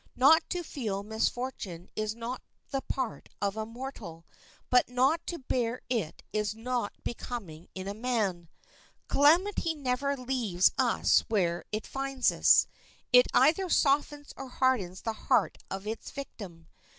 Not to feel misfortune is not the part of a mortal; but not to bear it is not becoming in a man. Calamity never leaves us where it finds us; it either softens or hardens the heart of its victim.